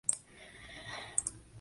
Su madre es marquesa de Villablanca.